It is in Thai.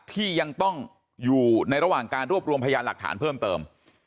ที่ยังต้องอยู่ในระหว่างการรวบรวมพยานหลักฐานเพิ่มเติม